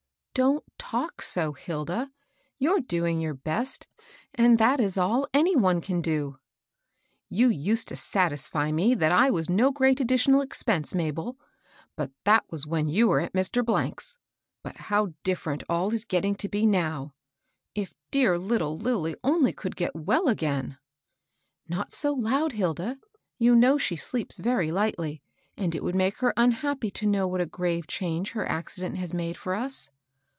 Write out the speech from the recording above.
" Don't talk so, Hilda. You're doing yonr best, and that is all any one can do." " You used to satisfy me that I was no great ad ditional expense, Mabel ; but that was when you were at Mr. 's. But how different all is A SEABCH FOB WORK. 91 getting to be, now I If dear little Lilly only could get well again !"" Not so loud, Hilda. You know she sleeps very lightly, and it would make her unhappy to know what a grave change her accident has made for us.''